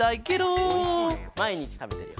まいにちたべてるよ。